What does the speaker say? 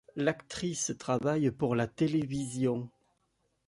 L'actrice travaille pour la télévision.